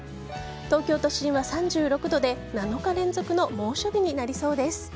東京都心は３６度で７日連続の猛暑日になりそうです。